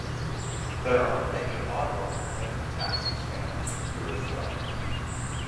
There are many auto and taxi stands here as well.